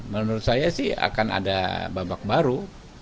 menurut saya sih akan ada babak baru